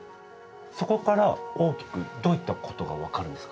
そこから大きくどういったことが分かるんですか？